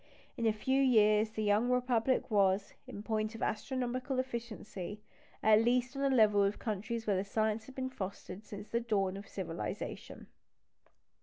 In a few years the young Republic was, in point of astronomical efficiency, at least on a level with countries where the science had been fostered since the dawn of civilisation.